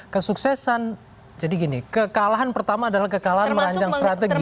kesuksesan jadi gini kekalahan pertama adalah kekalahan merancang strategi